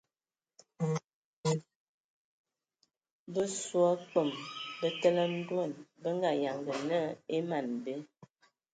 Bə soe a kpəm bətele a ndoan bə nga yanga na e man be.